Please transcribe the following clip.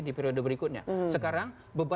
di periode berikutnya sekarang